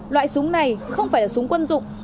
loại súng này không phải là súng quân dụng